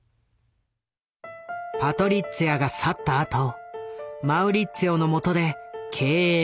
パトリッツィアが去ったあとマウリッツィオのもとで経営が悪化。